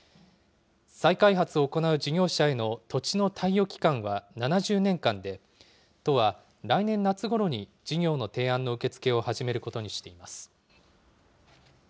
再開発を行う事業者への土地の貸与機関は７０年間で、都は、来年夏ごろに事業の提案の受け付けを始めることにしています。